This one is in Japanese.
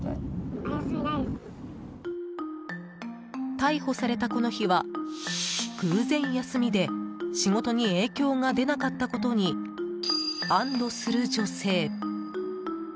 逮捕されたこの日は偶然休みで仕事に影響が出なかったことに安堵する女性。